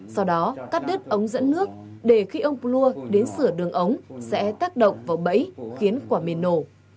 sau đó cắt đứt ống dẫn nước để khi ông plua đến sửa đường ống sẽ tác động vào bẫy khiến quả mìn nổ